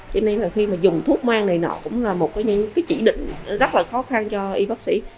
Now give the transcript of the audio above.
cho nên là khi mà dùng thuốc mang này nọ cũng là một trong những cái chỉ định rất là khó khăn cho y bác sĩ